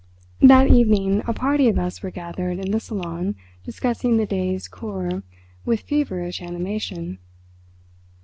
That evening a party of us were gathered in the salon discussing the day's "kur" with feverish animation.